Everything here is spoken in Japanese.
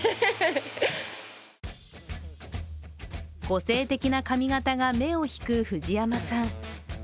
個性的な髪形が目を引く藤山さん。